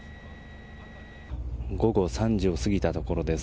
午後３時を過ぎたところです。